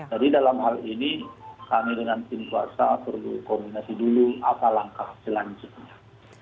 jadi dalam hal ini kami dengan tim kuasa perlu kombinasi dulu apa langkah selanjutnya